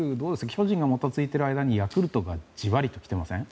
巨人がもたついている間にヤクルトがジワリと来ていません？